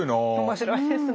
面白いですね。